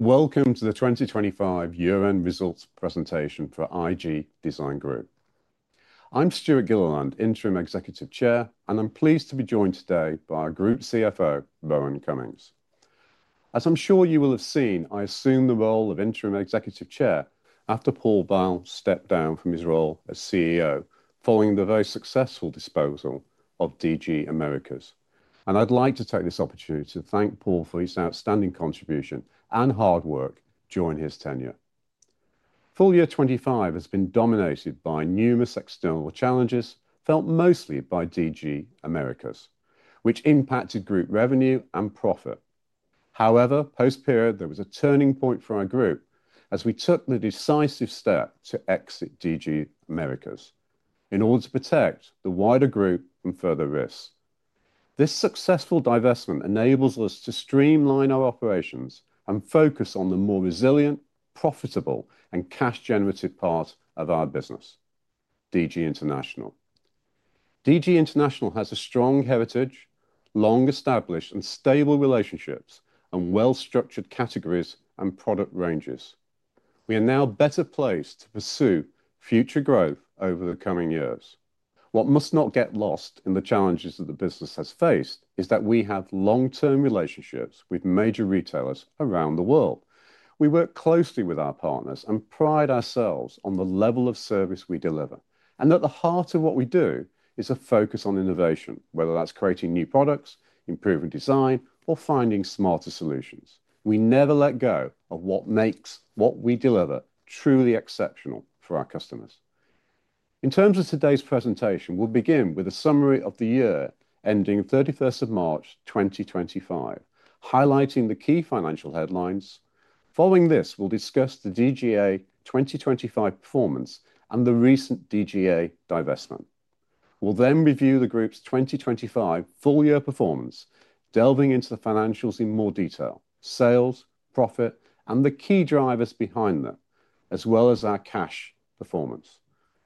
Welcome to the 2025 year-end results presentation for IG Design Group. I'm Stewart Gilliland, Interim Executive Chair, and I'm pleased to be joined today by our Group CFO, Rohan Cummings. As I'm sure you will have seen, I assumed the role of Interim Executive Chair after Paul Bal stepped down from his role as CEO following the very successful disposal of DG Americas. I'd like to take this opportunity to thank Paul for his outstanding contribution and hard work during his tenure. Full year 2025 has been dominated by numerous external challenges, felt mostly by DG Americas, which impacted group revenue and profit. However, post-period, there was a turning point for our group as we took the decisive step to exit DG Americas in order to protect the wider group from further risks. This successful divestment enables us to streamline our operations and focus on the more resilient, profitable, and cash-generative part of our business, DG International. DG International has a strong heritage, long established and stable relationships, and well-structured categories and product ranges. We are now better placed to pursue future growth over the coming years. What must not get lost in the challenges that the business has faced is that we have long-term relationships with major retailers around the world. We work closely with our partners and pride ourselves on the level of service we deliver. At the heart of what we do is a focus on innovation, whether that's creating new products, improving design, or finding smarter solutions. We never let go of what makes what we deliver truly exceptional for our customers. In terms of today's presentation, we'll begin with a summary of the year ending March 31, 2025, highlighting the key financial headlines. Following this, we'll discuss the DG Americas 2025 performance and the recent DG Americas divestment. We'll then review the group's 2025 full-year performance, delving into the financials in more detail: sales, profit, and the key drivers behind them, as well as our cash performance.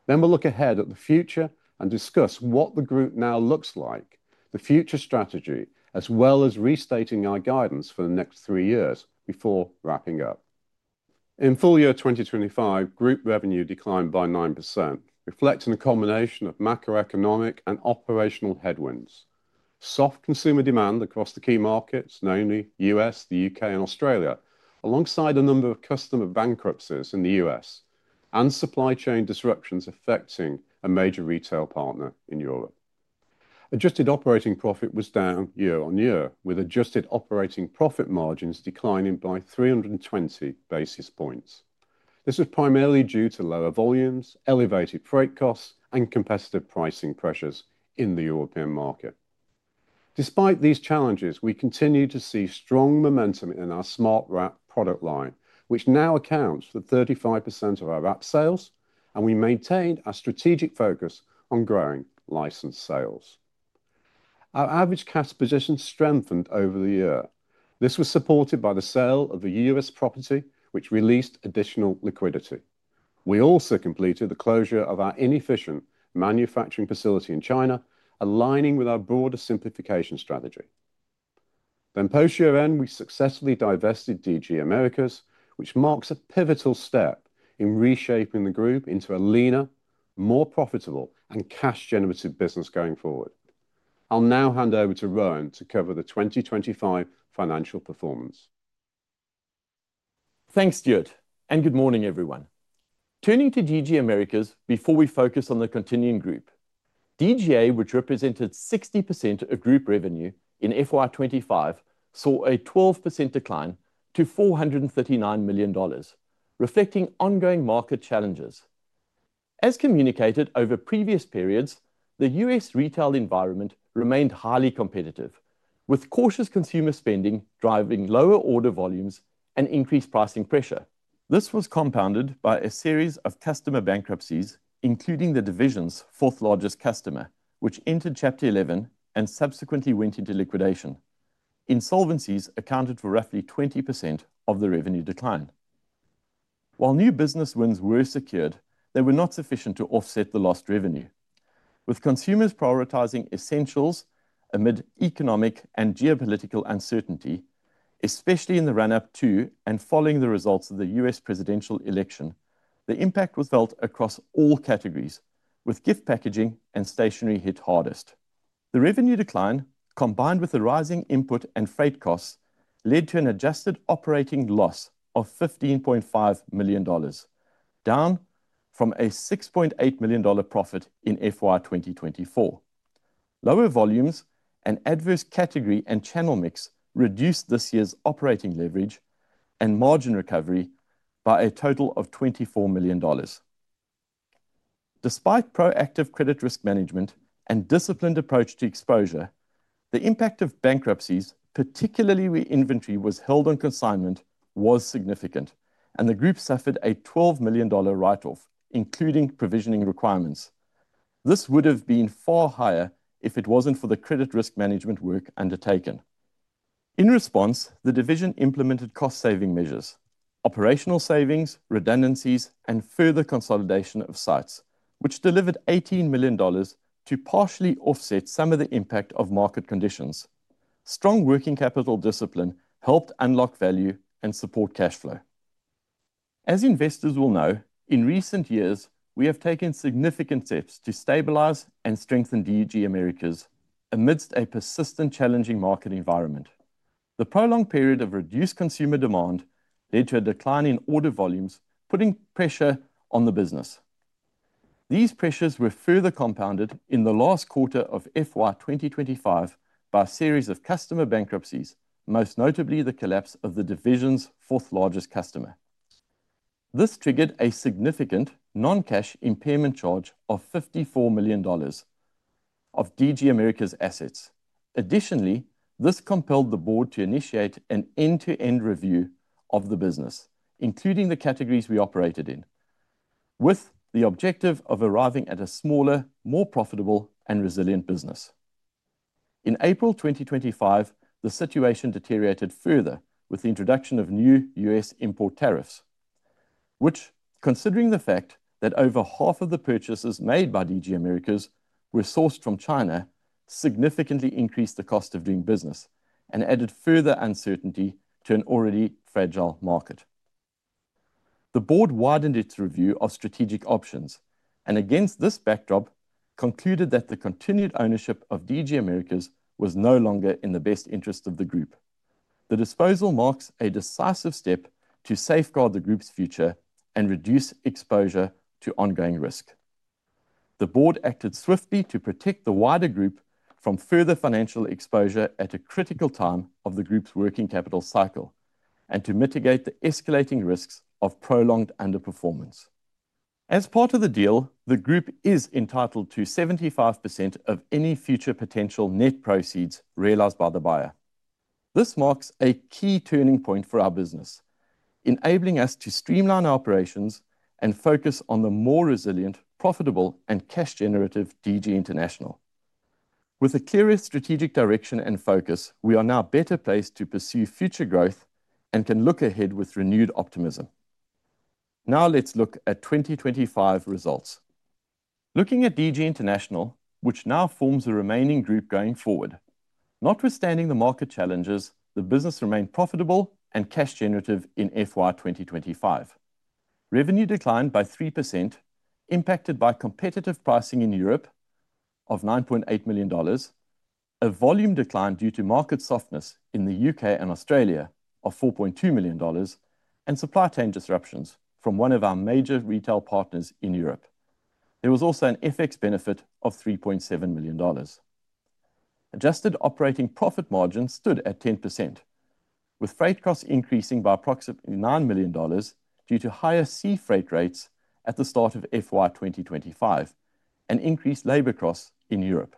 We'll look ahead at the future and discuss what the group now looks like, the future strategy, as well as restating our guidance for the next three years before wrapping up. In full year 2025, group revenue declined by 9%, reflecting a combination of macroeconomic and operational headwinds. Soft consumer demand across the key markets, namely the U.S., the U.K., and Australia, alongside a number of customer bankruptcies in the U.S., and supply chain disruptions affecting a major retail partner in Europe. Adjusted operating profit was down year-on-year, with adjusted operating profit margins declining by 320 basis points. This was primarily due to lower volumes, elevated freight costs, and competitive pricing pressures in the European market. Despite these challenges, we continued to see strong momentum in our Smartwrap product line, which now accounts for 35% of our wrap sales, and we maintained our strategic focus on growing license sales. Our average cash position strengthened over the year. This was supported by the sale of the U.S. property, which released additional liquidity. We also completed the closure of our inefficient manufacturing facility in China, aligning with our broader simplification strategy. Post-year end, we successfully divested DG Americas, which marks a pivotal step in reshaping the group into a leaner, more profitable, and cash-generative business going forward. I'll now hand over to Rohan to cover the 2025 financial performance. Thanks, Stewart, and good morning, everyone. Turning to DG Americas before we focus on the continuing group, DG Americas, which represented 60% of group revenue in FY 2025, saw a 12% decline to $439 million, reflecting ongoing market challenges. As communicated over previous periods, the U.S. retail environment remained highly competitive, with cautious consumer spending driving lower order volumes and increased pricing pressure. This was compounded by a series of customer bankruptcies, including the division's fourth largest customer, which entered Chapter 11 and subsequently went into liquidation. Insolvencies accounted for roughly 20% of the revenue decline. While new business wins were secured, they were not sufficient to offset the lost revenue, with consumers prioritizing essentials amid economic and geopolitical uncertainty, especially in the run-up to and following the results of the U.S. presidential election. The impact was felt across all categories, with gift packaging and stationery hit hardest. The revenue decline, combined with the rising input and freight costs, led to an adjusted operating loss of $15.5 million, down from a $6.8 million profit in FY 2024. Lower volumes, an adverse category and channel mix reduced this year's operating leverage and margin recovery by a total of $24 million. Despite proactive credit risk management and a disciplined approach to exposure, the impact of bankruptcies, particularly when inventory was held on consignment, was significant, and the group suffered a $12 million write-off, including provisioning requirements. This would have been far higher if it wasn't for the credit risk management work undertaken. In response, the division implemented cost-saving measures: operational savings, redundancies, and further consolidation of sites, which delivered $18 million to partially offset some of the impact of market conditions. Strong working capital discipline helped unlock value and support cash flow. As investors will know, in recent years, we have taken significant steps to stabilize and strengthen DG Americas amidst a persistent challenging market environment. The prolonged period of reduced consumer demand led to a decline in order volumes, putting pressure on the business. These pressures were further compounded in the last quarter of FY 2025 by a series of customer bankruptcies, most notably the collapse of the division's fourth largest customer. This triggered a significant non-cash impairment charge of $54 million of DG Americas assets. Additionally, this compelled the Board to initiate an end-to-end review of the business, including the categories we operated in, with the objective of arriving at a smaller, more profitable, and resilient business. In April 2025, the situation deteriorated further with the introduction of new U.S. import tariffs, which, considering the fact that over half of the purchases made by DG Americas were sourced from China, significantly increased the cost of doing business and added further uncertainty to an already fragile market. The Board widened its review of strategic options and, against this backdrop, concluded that the continued ownership of DG Americas was no longer in the best interest of the group. The disposal marks a decisive step to safeguard the group's future and reduce exposure to ongoing risk. The Board acted swiftly to protect the wider group from further financial exposure at a critical time of the group's working capital cycle and to mitigate the escalating risks of prolonged underperformance. As part of the deal, the group is entitled to 75% of any future potential net proceeds realized by the buyer. This marks a key turning point for our business, enabling us to streamline our operations and focus on the more resilient, profitable, and cash-generative DG International. With a clearer strategic direction and focus, we are now better placed to pursue future growth and can look ahead with renewed optimism. Now let's look at 2025 results. Looking at DG International, which now forms the remaining group going forward, notwithstanding the market challenges, the business remained profitable and cash-generative in FY 2025. Revenue declined by 3%, impacted by competitive pricing in Europe of $9.8 million, a volume decline due to market softness in the U.K. and Australia of $4.2 million, and supply chain disruptions from one of our major retail partners in Europe. There was also an FX benefit of $3.7 million. Adjusted operating profit margins stood at 10%, with freight costs increasing by approximately $9 million due to higher sea freight rates at the start of FY 2025 and increased labor costs in Europe.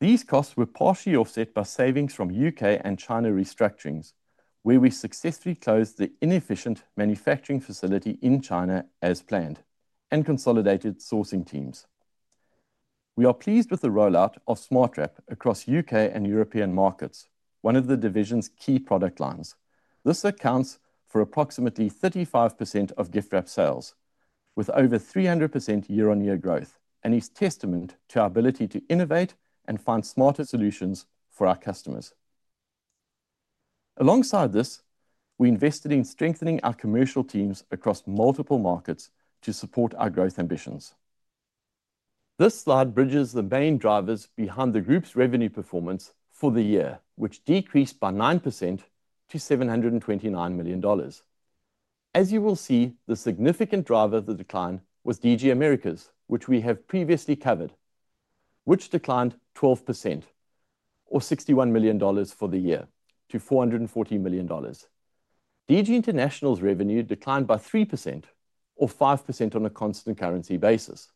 These costs were partially offset by savings from U.K. and China restructurings, where we successfully closed the inefficient manufacturing facility in China as planned and consolidated sourcing teams. We are pleased with the rollout of Smartwrap across U.K. and European markets, one of the division's key product lines. This accounts for approximately 35% of gift wrap sales, with over 300% year-on-year growth and is a testament to our ability to innovate and find smarter solutions for our customers. Alongside this, we invested in strengthening our commercial teams across multiple markets to support our growth ambitions. This slide bridges the main drivers behind the group's revenue performance for the year, which decreased by 9% to $729 million. As you will see, the significant driver of the decline was DG Americas, which we have previously covered, which declined 12%, or $61 million for the year, to $440 million. DG International's revenue declined by 3%, or 5% on a constant currency basis.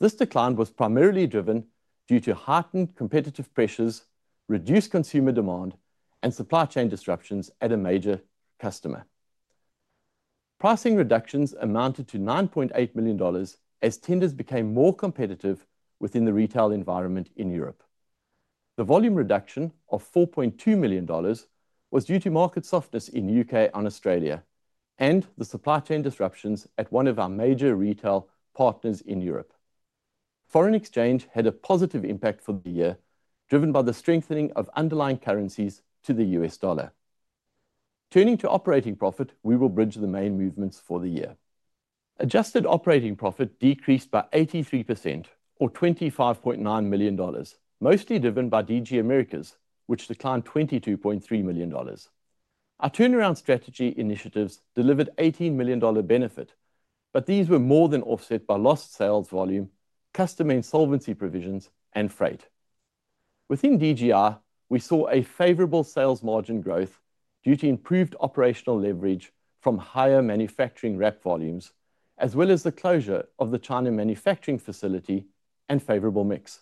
This decline was primarily driven due to heightened competitive pressures, reduced consumer demand, and supply chain disruptions at a major customer. Pricing reductions amounted to $9.8 million as tenders became more competitive within the retail environment in Europe. The volume reduction of $4.2 million was due to market softness in the U.K. and Australia and the supply chain disruptions at one of our major retail partners in Europe. Foreign exchange had a positive impact for the year, driven by the strengthening of underlying currencies to the U.S. dollar. Turning to operating profit, we will bridge the main movements for the year. Adjusted operating profit decreased by 83%, or $25.9 million, mostly driven by DG Americas, which declined $22.3 million. Our turnaround strategy initiatives delivered an $18 million benefit, but these were more than offset by lost sales volume, customer insolvency provisions, and freight. Within DGI we saw a favorable sales margin growth due to improved operational leverage from higher manufacturing wrap volumes, as well as the closure of the China manufacturing facility and favorable mix.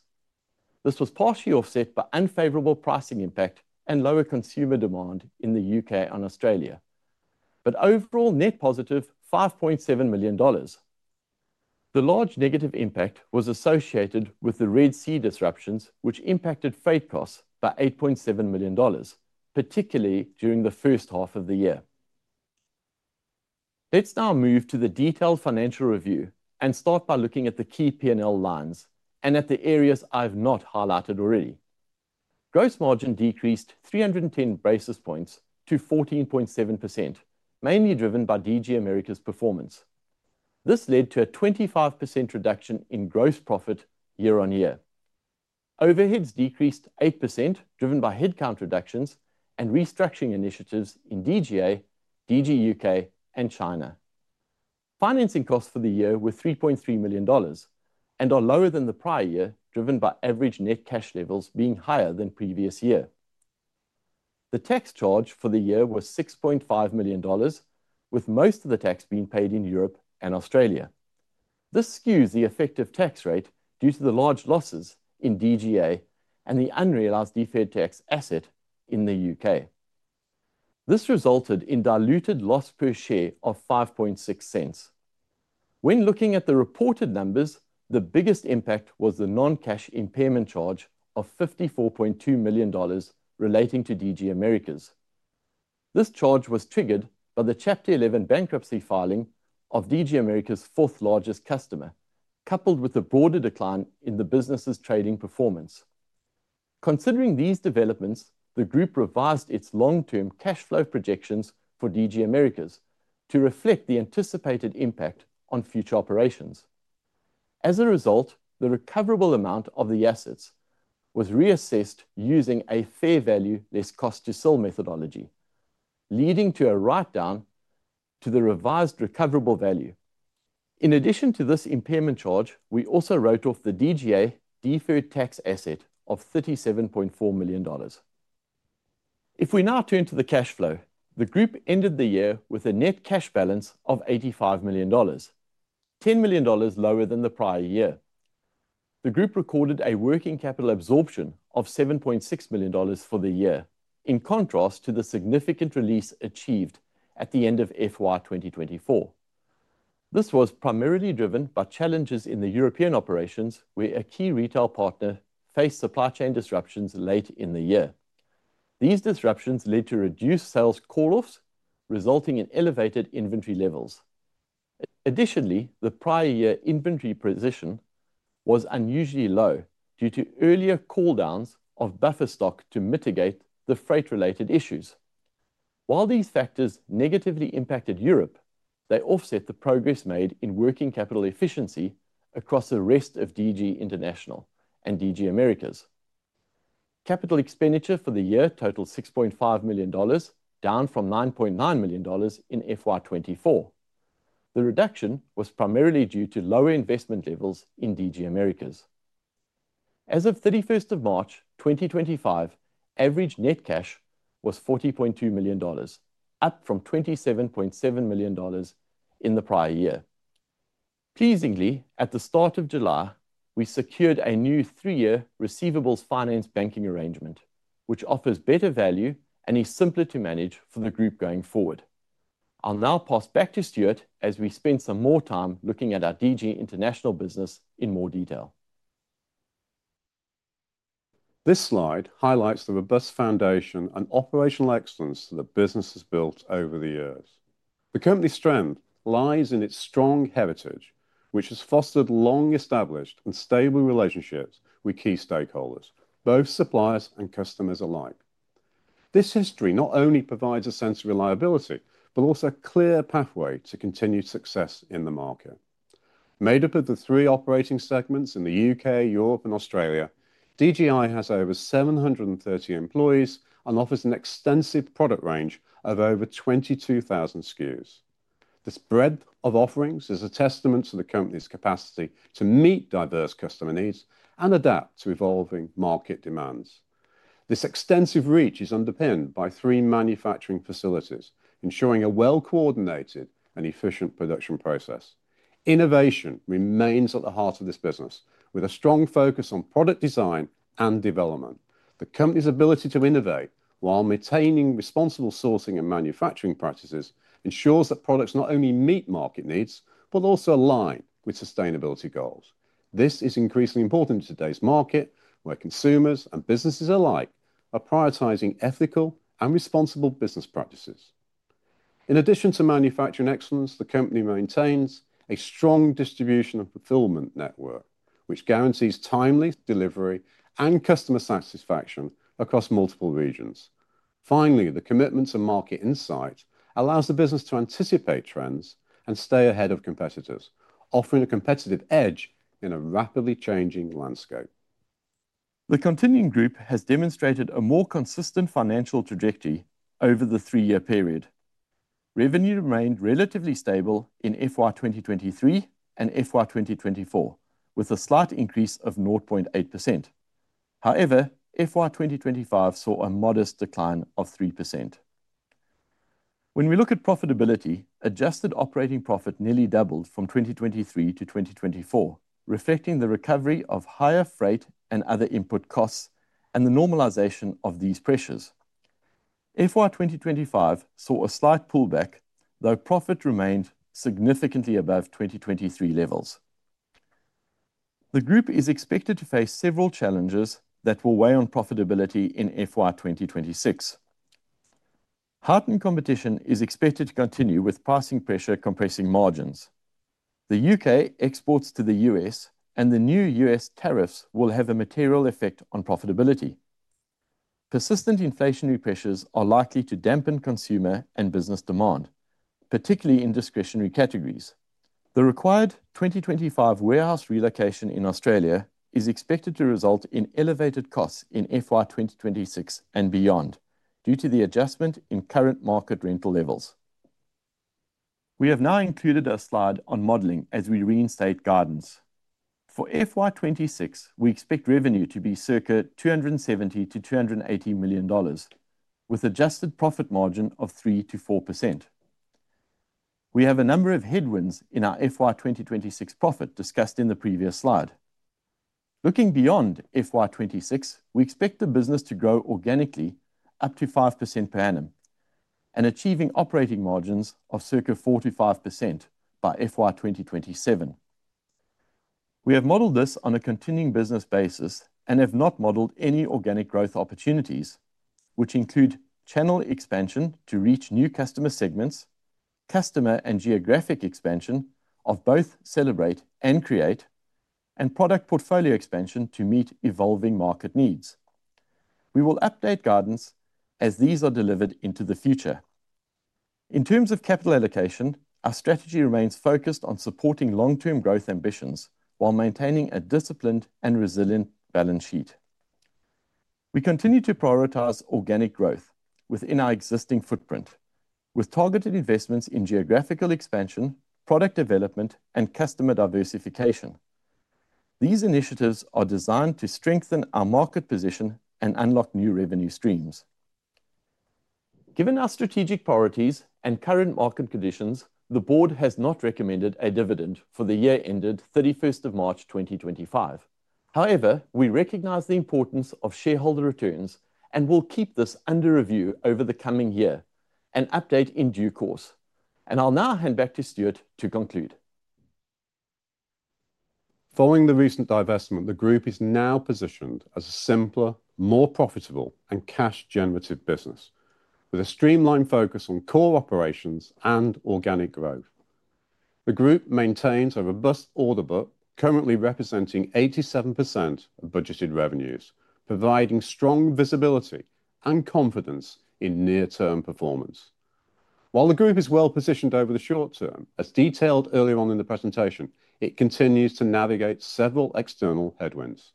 This was partially offset by unfavorable pricing impact and lower consumer demand in the U.K. and Australia, but overall net positive $5.7 million. The large negative impact was associated with the Red Sea disruptions, which impacted freight costs by $8.7 million, particularly during the first half of the year. Let's now move to the detailed financial review and start by looking at the key P&L lines and at the areas I've not highlighted already. Gross margin decreased 310 basis points to 14.7%, mainly driven by DG Americas performance. This led to a 25% reduction in gross profit year-on-year. Overheads decreased 8%, driven by headcount reductions and restructuring initiatives in DG Americas, DG U.K., and China. Financing costs for the year were $3.3 million and are lower than the prior year, driven by average net cash levels being higher than previous year. The tax charge for the year was $6.5 million, with most of the tax being paid in Europe and Australia. This skews the effective tax rate due to the large losses in DG Americas and the unrealized deferred tax asset in the U.K. This resulted in diluted loss per share of $0.056. When looking at the reported numbers, the biggest impact was the non-cash impairment charge of $54.2 million relating to DG Americas. This charge was triggered by the Chapter 11 bankruptcy filing of DG Americas' fourth largest customer, coupled with a broader decline in the business's trading performance. Considering these developments, the group revised its long-term cash flow projections for DG Americas to reflect the anticipated impact on future operations. As a result, the recoverable amount of the assets was reassessed using a fair value less cost to sell methodology, leading to a write-down to the revised recoverable value. In addition to this impairment charge, we also wrote off the DGA deferred tax asset of $37.4 million. If we now turn to the cash flow, the group ended the year with a net cash balance of $85 million, $10 million lower than the prior year. The group recorded a working capital absorption of $7.6 million for the year, in contrast to the significant release achieved at the end of FY 2024. This was primarily driven by challenges in the European operations, where a key retail partner faced supply chain disruptions late in the year. These disruptions led to reduced sales call-offs, resulting in elevated inventory levels. Additionally, the prior year inventory position was unusually low due to earlier call-downs of buffer stock to mitigate the freight-related issues. While these factors negatively impacted Europe, they offset the progress made in working capital efficiency across the rest of DG International and DG Americas. Capital expenditure for the year totaled $6.5 million, down from $9.9 million in FY 2024. The reduction was primarily due to lower investment levels in DG Americas. As of March 31, 2025, average net cash was $40.2 million, up from $27.7 million in the prior year. Pleasingly, at the start of July, we secured a new three-year receivables finance banking arrangement, which offers better value and is simpler to manage for the group going forward. I'll now pass back to Stewart as we spend some more time looking at our DG International business in more detail. This slide highlights the robust foundation and operational excellence that the business has built over the years. The company's strength lies in its strong heritage, which has fostered long-established and stable relationships with key stakeholders, both suppliers and customers alike. This history not only provides a sense of reliability but also a clear pathway to continued success in the market. Made up of the three operating segments in the U.K., Europe, and Australia, DGI has over 730 employees and offers an extensive product range of over 22,000 SKUs. This breadth of offerings is a testament to the company's capacity to meet diverse customer needs and adapt to evolving market demands. This extensive reach is underpinned by three manufacturing facilities, ensuring a well-coordinated and efficient production process. Innovation remains at the heart of this business, with a strong focus on product design and development. The company's ability to innovate while maintaining responsible sourcing and manufacturing practices ensures that products not only meet market needs but also align with sustainability goals. This is increasingly important in today's market, where consumers and businesses alike are prioritizing ethical and responsible business practices. In addition to manufacturing excellence, the company maintains a strong distribution and fulfillment network, which guarantees timely delivery and customer satisfaction across multiple regions. Finally, the commitment to market insight allows the business to anticipate trends and stay ahead of competitors, offering a competitive edge in a rapidly changing landscape. The Continuing Group has demonstrated a more consistent financial trajectory over the three-year period. Revenue remained relatively stable in FY 2023 and FY 2024, with a slight increase of 0.8%. However, FY 2025 saw a modest decline of 3%. When we look at profitability, adjusted operating profit nearly doubled from 2023 to 2024, reflecting the recovery of higher freight and other input costs and the normalization of these pressures. FY 2025 saw a slight pullback, though profit remained significantly above 2023 levels. The group is expected to face several challenges that will weigh on profitability in FY 2026. Heightened competition is expected to continue with pricing pressure compressing margins. The U.K. exports to the U.S., and the new U.S. tariffs will have a material effect on profitability. Persistent inflationary pressures are likely to dampen consumer and business demand, particularly in discretionary categories. The required 2025 warehouse relocation in Australia is expected to result in elevated costs in FY 2026 and beyond due to the adjustment in current market rental levels. We have now included a slide on modeling as we reinstate guidance. For FY 2026, we expect revenue to be circa $270 million-$280 million, with an adjusted profit margin of 3%-4%. We have a number of headwinds in our FY 2026 profit discussed in the previous slide. Looking beyond FY 2026, we expect the business to grow organically up to 5% per annum and achieve operating margins of circa 4%-5% by FY 2027. We have modeled this on a continuing business basis and have not modeled any organic growth opportunities, which include channel expansion to reach new customer segments, customer and geographic expansion of both Celebrate and Create, and product portfolio expansion to meet evolving market needs. We will update guidance as these are delivered into the future. In terms of capital allocation, our strategy remains focused on supporting long-term growth ambitions while maintaining a disciplined and resilient balance sheet. We continue to prioritize organic growth within our existing footprint, with targeted investments in geographical expansion, product development, and customer diversification. These initiatives are designed to strengthen our market position and unlock new revenue streams. Given our strategic priorities and current market conditions, the board has not recommended a dividend for the year ended 31st of March 2025. However, we recognize the importance of shareholder returns and will keep this under review over the coming year and update in due course. I'll now hand back to Stewart to conclude. Following the recent divestment, the group is now positioned as a simpler, more profitable, and cash-generative business, with a streamlined focus on core operations and organic growth. The group maintains a robust order book, currently representing 87% of budgeted revenues, providing strong visibility and confidence in near-term performance. While the group is well positioned over the short term, as detailed earlier on in the presentation, it continues to navigate several external headwinds.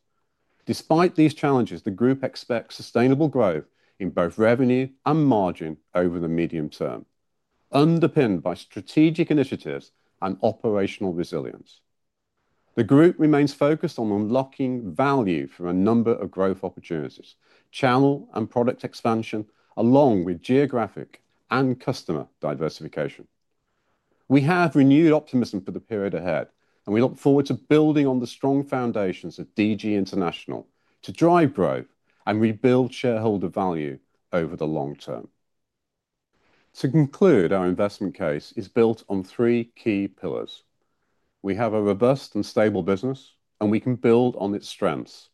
Despite these challenges, the group expects sustainable growth in both revenue and margin over the medium term, underpinned by strategic initiatives and operational resilience. The group remains focused on unlocking value through a number of growth opportunities, channel, and product expansion, along with geographic and customer diversification. We have renewed optimism for the period ahead, and we look forward to building on the strong foundations of DG International to drive growth and rebuild shareholder value over the long-term. To conclude, our investment case is built on three key pillars. We have a robust and stable business, and we can build on its strengths.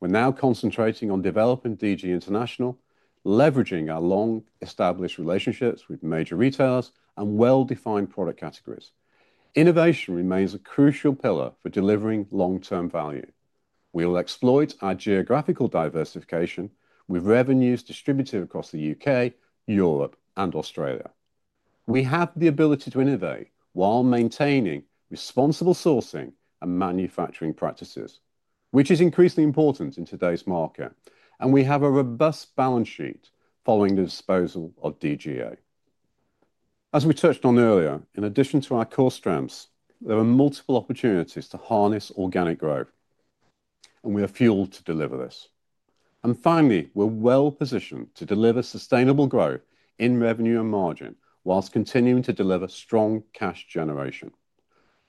We're now concentrating on developing DG International, leveraging our long-established relationships with major retailers and well-defined product categories. Innovation remains a crucial pillar for delivering long-term value. We'll exploit our geographical diversification with revenues distributed across the U.K., Europe, and Australia. We have the ability to innovate while maintaining responsible sourcing and manufacturing practices, which is increasingly important in today's market, and we have a robust balance sheet following the disposal of DGA. As we touched on earlier, in addition to our core strengths, there are multiple opportunities to harness organic growth, and we are fueled to deliver this. Finally, we're well positioned to deliver sustainable growth in revenue and margin whilst continuing to deliver strong cash generation.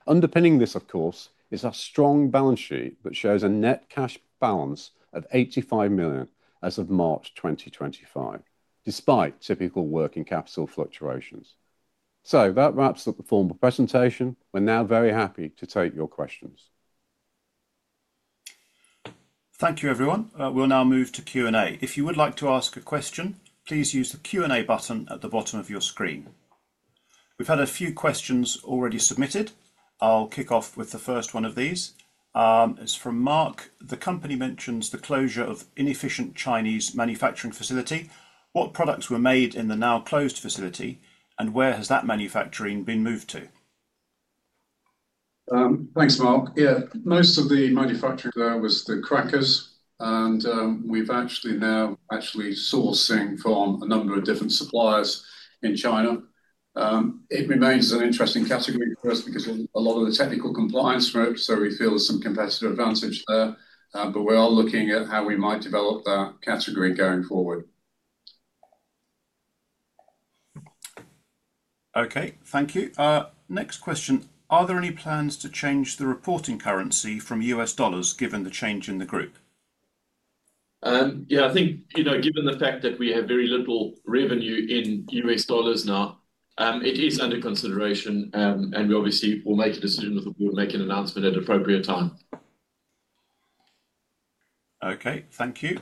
Underpinning this, of course, is our strong balance sheet that shows a net cash balance of $85 million as of March 2025, despite typical working capital fluctuations. That wraps up the formal presentation. We're now very happy to take your questions. Thank you, everyone. We'll now move to Q&A. If you would like to ask a question, please use the Q&A button at the bottom of your screen. We've had a few questions already submitted. I'll kick off with the first one of these. It's from Mark. The company mentions the closure of inefficient Chinese manufacturing facility. What products were made in the now closed facility, and where has that manufacturing been moved to? Thanks, Mark. Most of the manufacturing there was the Christmas crackers, and we're actually now sourcing from a number of different suppliers in China. It remains an interesting category for us because a lot of the technical compliance groups, so we feel there's some competitive advantage there, but we are looking at how we might develop that category going forward. Okay, thank you. Next question. Are there any plans to change the reporting currency from U.S. dollars, given the change in the group? I think, given the fact that we have very little revenue in U.S. dollars now, it is under consideration, and we obviously will make a decision if we will make an announcement at an appropriate time. Okay, thank you.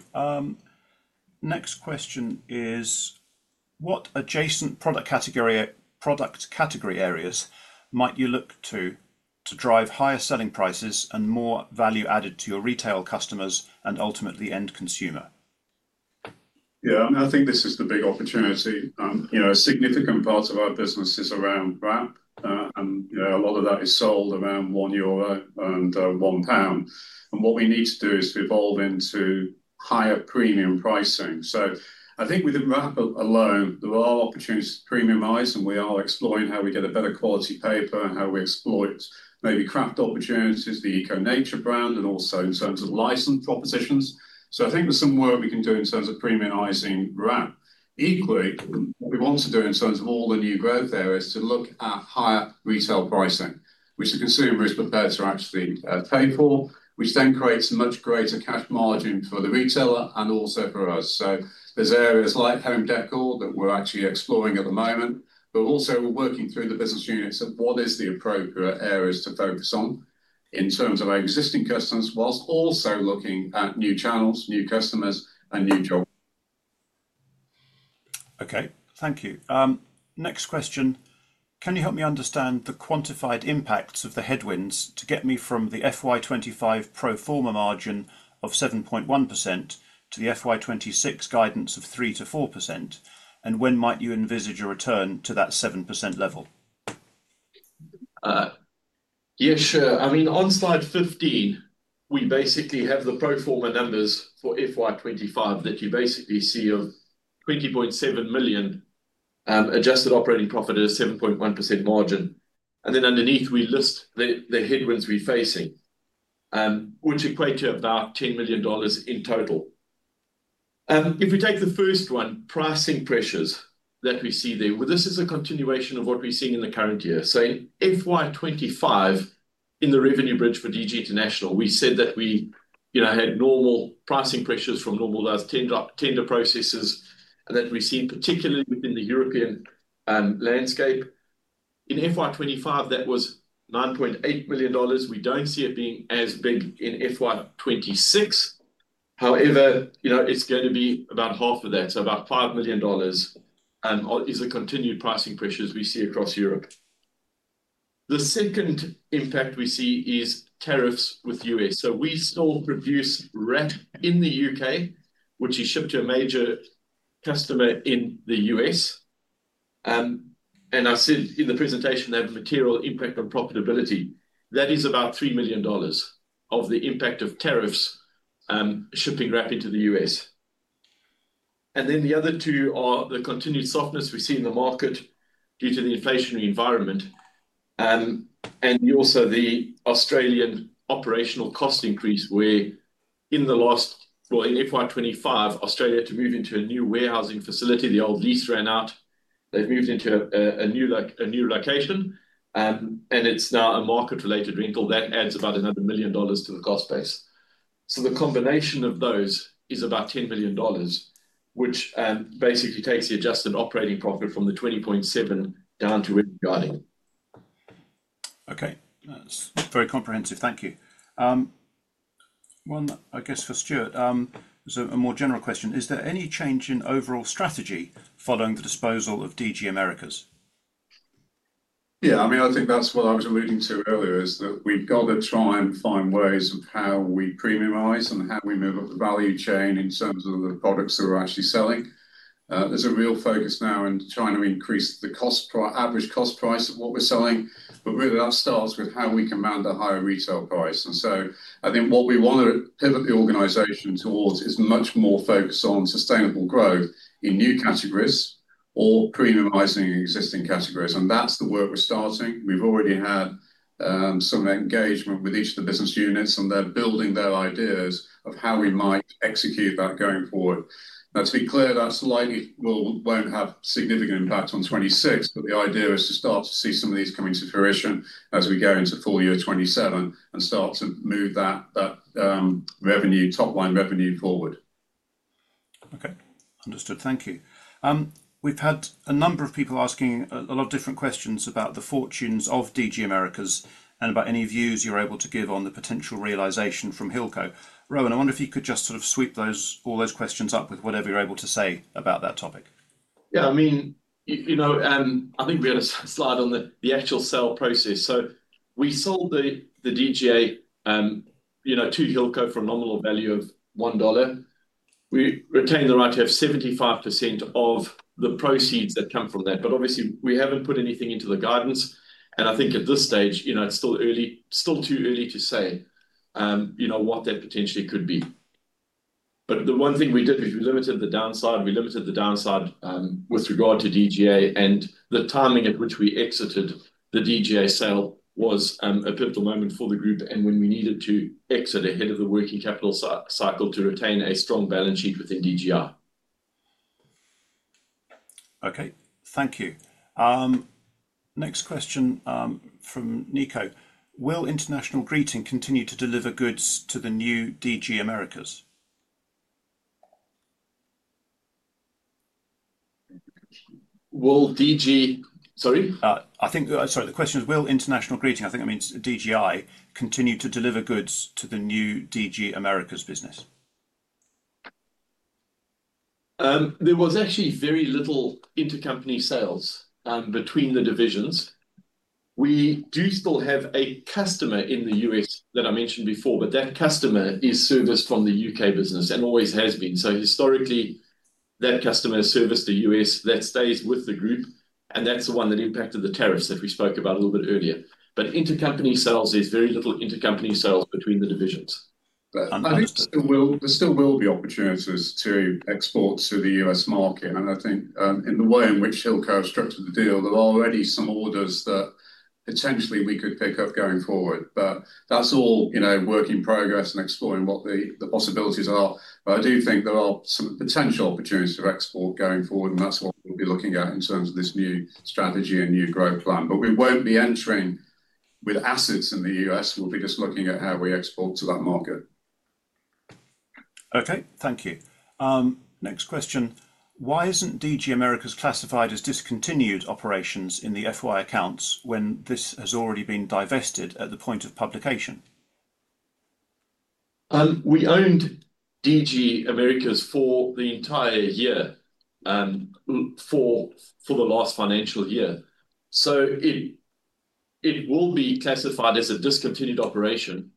Next question is, what adjacent product category areas might you look to to drive higher selling prices and more value added to your retail customers and ultimately end consumer? Yeah, I mean, I think this is the big opportunity. A significant part of our business is around wrap, and a lot of that is sold around 1 euro and 1 pound. What we need to do is to evolve into higher premium pricing. I think within wrap alone, there are opportunities to premiumize, and we are exploring how we get a better quality paper and how we exploit maybe craft opportunities, the Eco Nature brand, and also in terms of license propositions. I think there's some work we can do in terms of premiumizing wrap. Equally, we want to do in terms of all the new rev areas to look at higher retail pricing, which the consumer is prepared to actually pay for, which then creates much greater cash margin for the retailer and also for us. There are areas like home decor that we're actually exploring at the moment, but also we're working through the business units of what is the appropriate areas to focus on in terms of our existing customers whilst also looking at new channels, new customers, and new jobs. Okay, thank you. Next question. Can you help me understand the quantified impacts of the headwinds to get me from the FY 2025 pro forma margin of 7.1% to the FY 2026 guidance of 3%-4%? When might you envisage a return to that 7% level? Yeah, sure. I mean, on Slide 15, we basically have the pro forma numbers for FY 2025 that you basically see of $20.7 million adjusted operating profit at a 7.1% margin. Underneath, we list the headwinds we're facing, which equate to about $10 million in total. If we take the first one, pricing pressures that we see there, this is a continuation of what we're seeing in the current year. In FY 2025, in the revenue bridge for DG International, we said that we had normal pricing pressures from normal tender processes and that we're seeing particularly within the European landscape. In FY 2025, that was $9.8 million. We don't see it being as big in FY 2026. However, it's going to be about half of that, so about $5 million is a continued pricing pressure as we see across Europe. The second impact we see is tariffs with the U.S. We still produce wrap in the U.K., which is shipped to a major customer in the U.S. As I said in the presentation, they have a material impact on profitability. That is about $3 million of the impact of tariffs shipping wrap into the U.S. The other two are the continued softness we see in the market due to the inflationary environment and also the Australian operational cost increase where in the last, in FY 2025, Australia had to move into a new warehousing facility. The old lease ran out. They've moved into a new location, and it's now a market-related rental. That adds about another $1 million to the cost base. The combination of those is about $10 million, which basically takes the adjusted operating profit from the $20.7 million down to $10.7 million. Okay, that's very comprehensive. Thank you. One, I guess for Stewart, it's a more general question. Is there any change in overall strategy following the disposal of DG Americas? Yeah, I mean, I think that's what I was alluding to earlier, is that we've got to try and find ways of how we premiumize and how we move up the value chain in terms of the products that we're actually selling. There's a real focus now in trying to increase the average cost price of what we're selling, but really that starts with how we can mount a higher retail price. I think what we want to pivot the organization towards is much more focused on sustainable growth in new categories or premiumizing existing categories. That's the work we're starting. We've already had some engagement with each of the business units, and they're building their ideas of how we might execute that going forward. Now, to be clear, that's likely will have significant impact on 2026, but the idea is to start to see some of these come into fruition as we go into full year 2027 and start to move that revenue, top line revenue, forward. Okay, understood. Thank you. We've had a number of people asking a lot of different questions about the fortunes of DG Americas and about any views you're able to give on the potential realization from Hilco. Rohan, I wonder if you could just sort of sweep all those questions up with whatever you're able to say about that topic. Yeah, I mean, I think we had a slide on the actual sale process. We sold DGA to Hilco for a nominal value of $1. We retained the right to have 75% of the proceeds that come from that, but obviously we haven't put anything into the guidance. I think at this stage it's still too early to say what that potentially could be. The one thing we did is we limited the downside, and we limited the downside with regard to DGA, and the timing at which we exited the DGA sale was a pivotal moment for the group when we needed to exit ahead of the working capital cycle to retain a strong balance sheet within DGI. Okay, thank you. Next question from Nico. Will International Group continue to deliver goods to the new DG Americas? Will DG--sorry? I think, sorry, the question is, will IG Design Group International—I think it means DGI—continue to deliver goods to the new DG Americas business? There was actually very little intercompany sales between the divisions. We do still have a customer in the U.S. that I mentioned before, but that customer is serviced from the U.K. business and always has been. Historically, that customer has serviced the U.S. that stays with the group, and that's the one that impacted the tariffs that we spoke about a little bit earlier. Intercompany sales, there's very little intercompany sales between the divisions. I think there still will be opportunities to export to the U.S. market. In the way in which Hilco has structured the deal, there are already some orders that potentially we could pick up going forward. That's all work in progress and exploring what the possibilities are. I do think there are potential opportunities for export going forward, and that's what we'll be looking at in terms of this new strategy and new growth plan. We won't be entering with assets in the U.S. We'll be just looking at how we export to that market. Okay, thank you. Next question. Why isn't DG Americas classified as discontinued operations in the FY accounts when this has already been divested at the point of publication? We owned DG Americas for the entire year, for the last financial year. It will be classified as a discontinued operation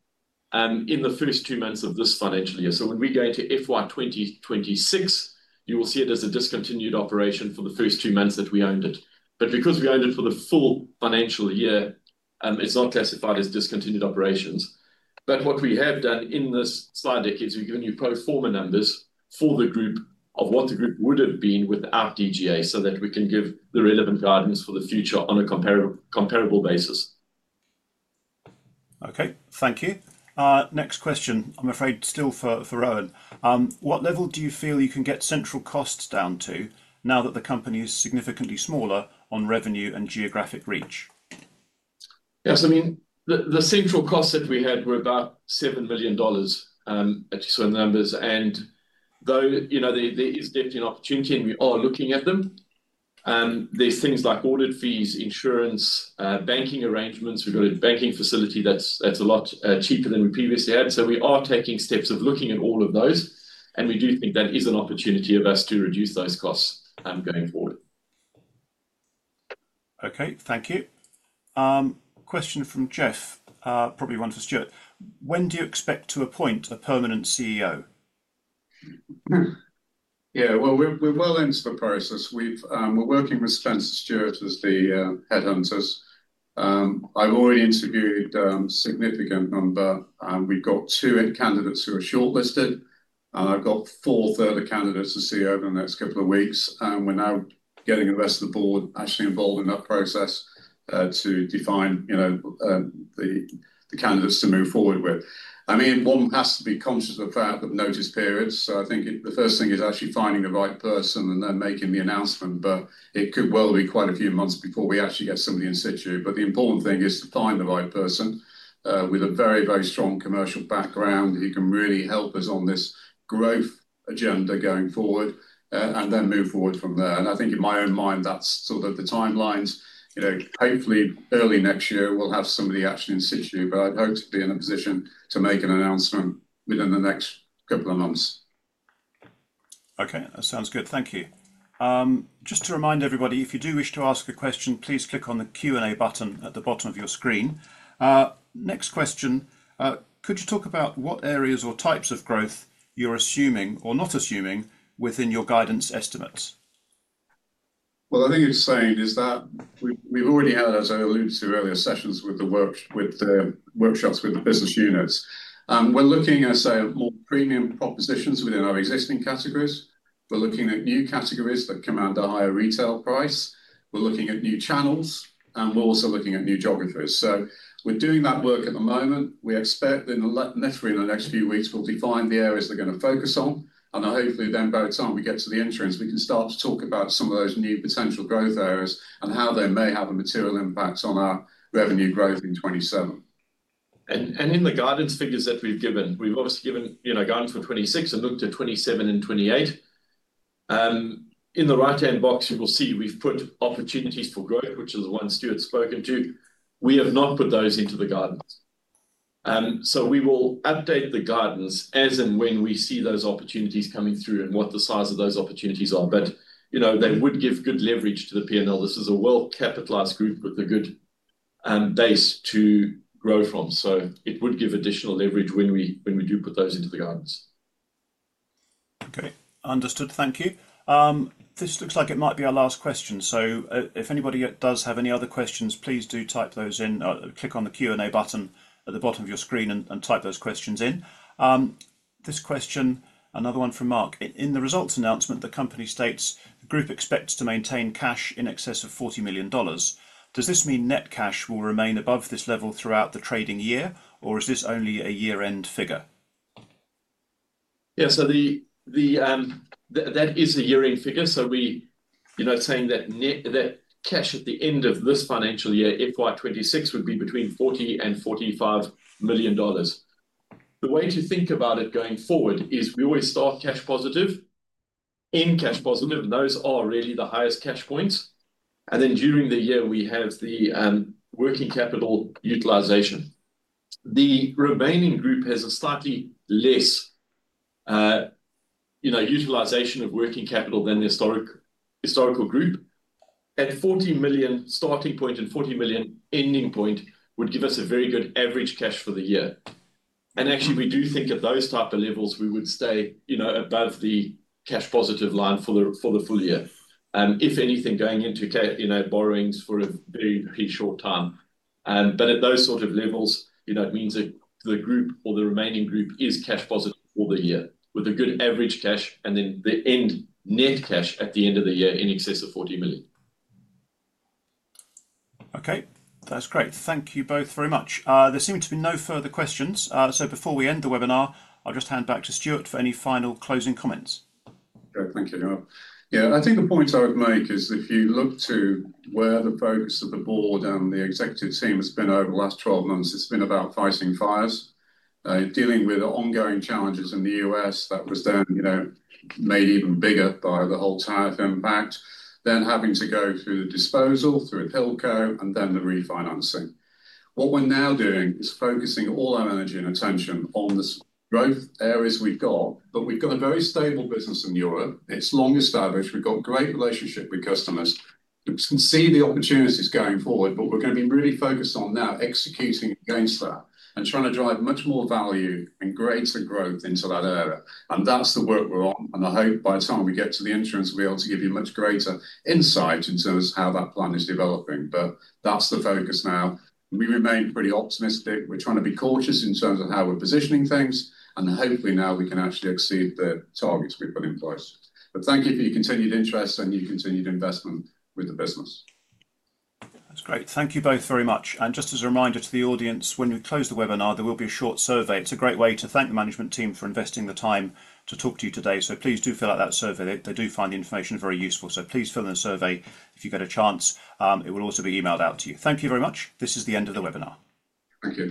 in the first two months of this financial year. When we go into FY 2026, you will see it as a discontinued operation for the first two months that we owned it. Because we owned it for the full financial year, it's not classified as discontinued operations. What we have done in this slide deck is we've given you pro forma numbers for the group of what the group would have been without DG Americas so that we can give the relevant guidance for the future on a comparable basis. Okay, thank you. Next question, I'm afraid still for Rohan. What level do you feel you can get central costs down to now that the company is significantly smaller on revenue and geographic reach? Yes, I mean, the central costs that we had were about $7 million, just for numbers. There is definitely an opportunity and we are looking at them. There's things like audit fees, insurance, banking arrangements. We've got a banking facility that's a lot cheaper than we previously had. We are taking steps of looking at all of those, and we do think that is an opportunity for us to reduce those costs going forward. Okay, thank you. Question from Jeff, probably one for Stewart. When do you expect to appoint a permanent CEO? Yeah, we're well into the process. We're working with Spencer Stuart as the head hunters. I've already interviewed a significant number. We've got two candidates who are shortlisted, and I've got four further candidates to see over the next couple of weeks. We're now getting the rest of the board actually involved in that process to define, you know, the candidates to move forward with. One has to be conscious of that with notice periods. I think the first thing is actually finding the right person and then making the announcement. It could well be quite a few months before we actually get somebody in situ. The important thing is to find the right person with a very, very strong commercial background who can really help us on this growth agenda going forward and then move forward from there. I think in my own mind, that's sort of the timelines. Hopefully early next year we'll have somebody actually in situ, but I'd hope to be in a position to make an announcement within the next couple of months. Okay, that sounds good. Thank you. Just to remind everybody, if you do wish to ask a question, please click on the Q&A button at the bottom of your screen. Next question. Could you talk about what areas or types of growth you're assuming or not assuming within your guidance estimates? I think what it's saying is that we've already had, as I alluded to earlier, sessions with the workshops with the business units. We're looking at more premium propositions within our existing categories. We're looking at new categories that command a higher retail price. We're looking at new channels, and we're also looking at new geographies. We're doing that work at the moment. We expect in the next few weeks we'll define the areas they're going to focus on. Hopefully, by the time we get to the entrance, we can start to talk about some of those new potential growth areas and how they may have a material impact on our revenue growth in 2027. In the guidance figures that we've given, we've obviously given guidance for 2026 and looked at 2027 and 2028. In the right-hand box, you will see we've put opportunities for growth, which is the one Stewart's spoken to. We have not put those into the guidance. We will update the guidance as and when we see those opportunities coming through and what the size of those opportunities are. They would give good leverage to the P&L. This is a well-capitalized group with a good base to grow from. It would give additional leverage when we do put those into the guidance. Okay, understood. Thank you. This looks like it might be our last question. If anybody does have any other questions, please do type those in. Click on the Q&A button at the bottom of your screen and type those questions in. This question, another one from Mark. In the results announcement, the company states the group expects to maintain cash in excess of $40 million. Does this mean net cash will remain above this level throughout the trading year, or is this only a year-end figure? Yeah, so that is a year-end figure. We, you know, saying that net cash at the end of this financial year, FY 2026, would be between $40 million and $45 million. The way to think about it going forward is we always start cash positive. In cash positive, those are really the highest cash points. During the year, we have the working capital utilization. The remaining group has a slightly less, you know, utilization of working capital than the historical group. A $40 million starting point and $40 million ending point would give us a very good average cash for the year. Actually, we do think at those types of levels, we would stay, you know, above the cash positive line for the full year. If anything, going into, you know, borrowings for a very short time. At those sort of levels, you know, it means that the group or the remaining group is cash positive for the year with a good average cash and then the net cash at the end of the year in excess of $40 million. Okay, that's great. Thank you both very much. There seem to be no further questions. Before we end the webinar, I'll just hand back to Stewart for any final closing comments. Great, thank you. I think the points I would make is if you look to where the focus of the Board and the Executive Team has been over the last 12 months, it's been about fighting fires, dealing with ongoing challenges in the U.S. that was done, you know, made even bigger by the whole tariff impact, then having to go through the disposal, through Hilco, and then the refinancing. What we're now doing is focusing all our energy and attention on the growth areas we've got, but we've got a very stable business in Europe. It's long established. We've got a great relationship with customers. We can see the opportunities going forward, we're going to be really focused on now executing against that and trying to drive much more value and greater growth into that area. That's the work we're on. I hope by the time we get to the entrance, we'll be able to give you much greater insight into how that plan is developing. That's the focus now. We remain pretty optimistic. We're trying to be cautious in terms of how we're positioning things, and hopefully now we can actually exceed the targets we've put in place. Thank you for your continued interest and your continued investment with the business. That's great. Thank you both very much. Just as a reminder to the audience, when we close the webinar, there will be a short survey. It's a great way to thank the management team for investing the time to talk to you today. Please do fill out that survey. They do find the information is very useful. Please fill in the survey if you get a chance. It will also be emailed out to you. Thank you very much. This is the end of the webinar. Thank you.